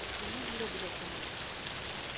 Gima biro, biro timore